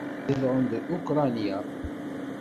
Zedɣen deg Ukṛanya.